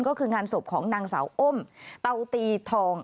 ก็คืองานศพของนางสาวอ้มเตาตีทอง